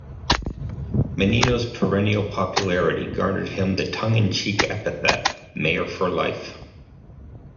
Menino's perennial popularity garnered him the tongue-in-cheek epithet Mayor for Life.